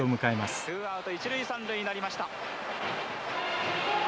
ツーアウト一塁三塁になりました。